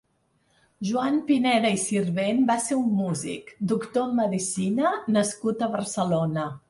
Joan Pineda i Sirvent va ser un músic; Doctor en medicina nascut a Barcelona.